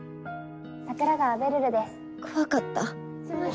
桜川べるるです怖かった。